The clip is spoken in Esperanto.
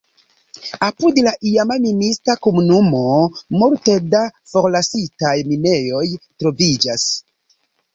Apud la iama minista komunumo multe da forlasitaj minejoj troviĝas.